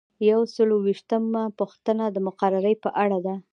یو سل او اووه دیرشمه پوښتنه د مقررې په اړه ده.